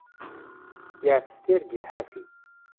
Yeɛfes tirgit ḥafi.